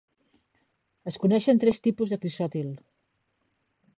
Es coneixen tres tipus de crisotil.